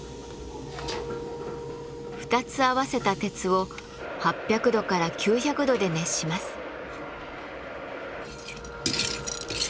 ２つ合わせた鉄を８００度から９００度で熱します。